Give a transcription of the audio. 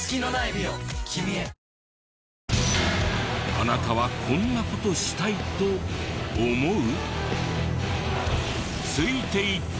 あなたはこんな事したいと思う？